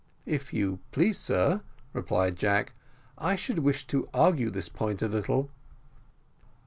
"If you please, sir," replied Jack, "I should wish to argue this point a little."